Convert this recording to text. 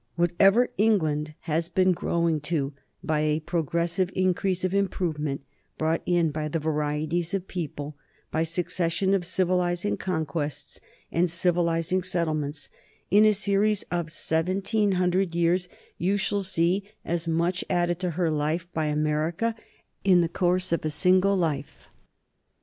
Whatever England has been growing to by a progressive increase of improvement, brought in by varieties of people, by succession of civilizing conquests and civilizing settlements in a series of seventeen hundred years, you shall see as much added to her by America in the course of a single life!'